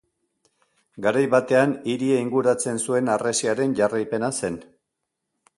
Garai batean, hiria inguratzen zuen harresiaren jarraipena zen.